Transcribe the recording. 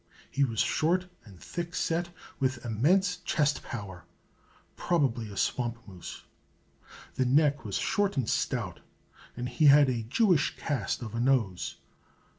He was short and thickset, with immense chest power probably a swamp moose. The neck was short and stout, and he had a Jewish cast of nose.